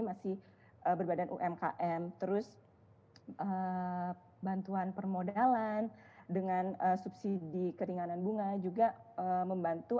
masih berbadan umkm terus bantuan permodalan dengan subsidi keringanan bunga juga membantu